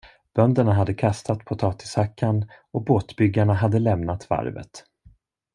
Bönderna hade kastat potatishackan och båtbyggarna hade lämnat varvet.